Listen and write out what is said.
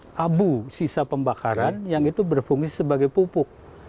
ada abu sisa pembakaran yang itu berfungsi sebagai pupuk